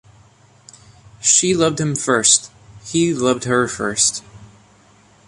She loved him first; he loved her first.